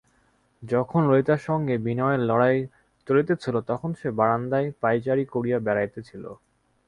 যখন ললিতার সঙ্গে বিনয়ের লড়াই চলিতেছিল তখন সে বারান্দায় পায়চারি করিয়া বেড়াইতেছিল।